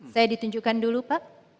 saya ditunjukkan dulu pak